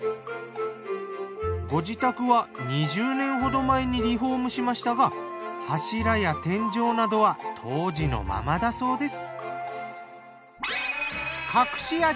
ご自宅は２０年ほど前にリフォームしましたが柱や天井などは当時のままだそうです。